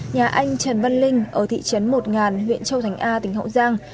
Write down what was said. nhà anh trần văn linh ở thị trấn một ngàn huyện châu thành a tỉnh hậu giang